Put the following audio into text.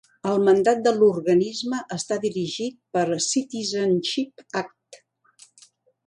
El mandat de l'organisme està dirigit per Citizenship Act.